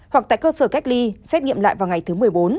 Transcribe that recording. hoặc tại cơ sở cách ly xét nghiệm lại vào ngày thứ một mươi bốn